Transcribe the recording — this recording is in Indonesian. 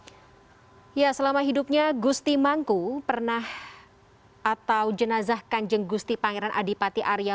ya selama hidupnya gusti mangku pernah atau jenazah kanjeng gusti pangeran adipati arya